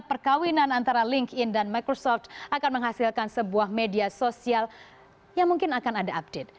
perkawinan antara linkedin dan microsoft akan menghasilkan sebuah media sosial yang mungkin akan ada update